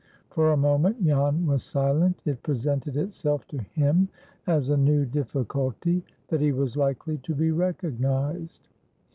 For a moment Jan was silent. It presented itself to him as a new difficulty, that he was likely to be recognized.